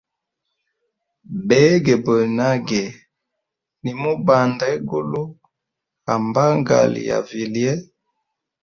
Begeboya nage, nimubanda hegulu, ha mbangali ya vilye.